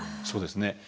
そうですね。